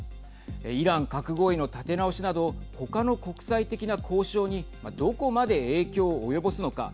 イラン核合意の立て直しなど他の国際的な交渉にどこまで影響を及ぼすのか。